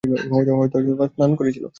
হয়তো স্নান করছিলো।